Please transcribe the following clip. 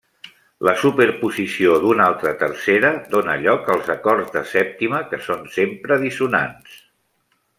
La superposició d'una altra tercera dóna lloc als acords de sèptima que són sempre dissonants.